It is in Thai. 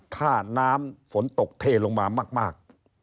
ถ้าน้ำฝนตกเทลงมามาก